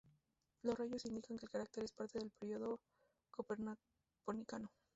Los rayos indican que el cráter es parte del Período Copernicano.